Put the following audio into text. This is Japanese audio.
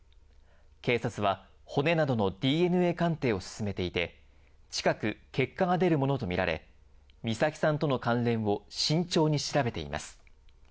警察は骨などのＤＮＡ鑑定を進めていて、近く、結果が出るものと見られ、美咲さんとの関連を慎重に調べています。